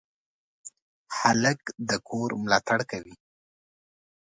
هلک د کور ملاتړ کوي.